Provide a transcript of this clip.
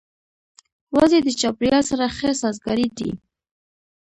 وزې د چاپېریال سره ښه سازګارې دي